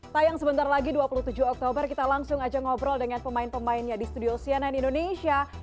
tayang sebentar lagi dua puluh tujuh oktober kita langsung aja ngobrol dengan pemain pemainnya di studio cnn indonesia